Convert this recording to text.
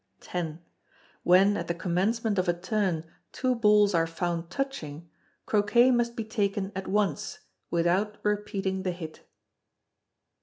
x. When, at the commencement of a turn, two balls are found touching, Croquet must be taken at once, without repeating the hit.